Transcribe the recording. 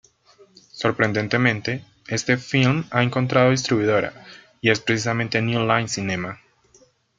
Sorprendentemente, este filme ha encontrado distribuidora y es precisamente New Line Cinema.